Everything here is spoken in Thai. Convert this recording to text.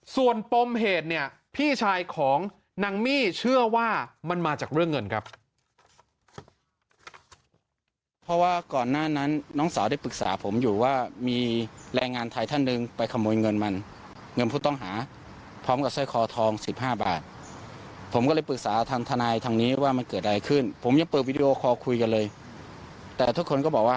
ส่วนปมเหตุเนี่ยพี่ชายของนางมี่เชื่อว่ามันมาจากเรื่องเงินครับ